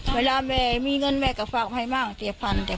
เมื่อแม่มีเงินแม่ก็ฟักไว้มากเจียบพันธุ์